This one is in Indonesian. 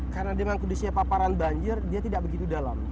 karena dengan kondisinya paparan banjir dia tidak begitu dalam